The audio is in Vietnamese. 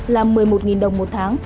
là một mươi một đồng một tháng